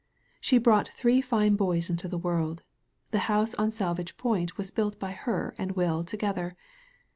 She brought three fine boys into the world. The house on Salvage Point was built by her and Will together.